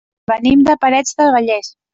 Venim de Parets del Vallès.